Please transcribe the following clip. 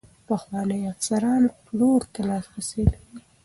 پخواني افسران پلور ته لاسرسی لري.